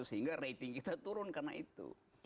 sehingga rating kita turun karena itu